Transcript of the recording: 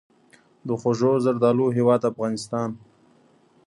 د خوږو زردالو هیواد افغانستان.